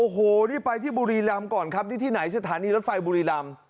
เขาไปที่บุรีรัมค์ก่อนครับที่ไหนสถานีรถไฟบุรีรัมค์